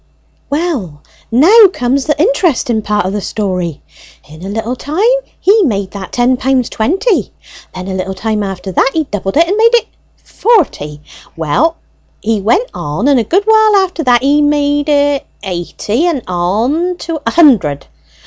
"Well, now comes the interesting part of the story! In a little time he made that ten pounds twenty. Then a little time after that he doubled it, and made it forty. Well, he went on, and a good while after that he made it eighty, and on to a hundred.